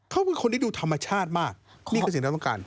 เขาเป็นคนที่ดูธรรมชาติมากนี่คือสิ่งที่เราต้องการ